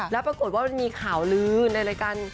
แล้วปรากฏว่ามันมีข่าวลื้อในรายการ